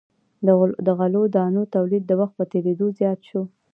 د غلو دانو تولید د وخت په تیریدو زیات شو.